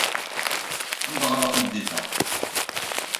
Ad am-d-ɣreɣ tameddit-a.